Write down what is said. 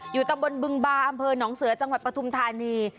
ตำบลบึงบาอำเภอหนองเสือจังหวัดปฐุมธานี